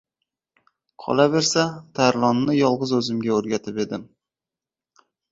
Qolabersa, Tarlonni yolg‘iz o‘zimga o‘rgatib edim.